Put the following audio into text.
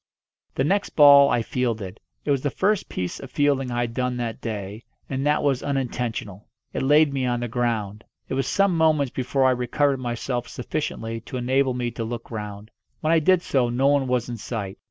The next ball I fielded. It was the first piece of fielding I had done that day, and that was unintentional. It laid me on the ground. It was some moments before I recovered myself sufficiently to enable me to look round. When I did so no one was in sight.